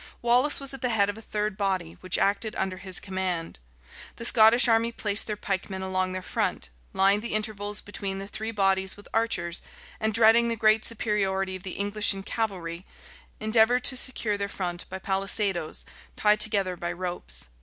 Wallace was at the head of a third body, which acted under his command. The Scottish army placed their pikemen along their front; lined the intervals between the three bodies with archers; and dreading the great superiority of the English in cavalry, endeavored to secure their front by palisadoes, tied together by ropes.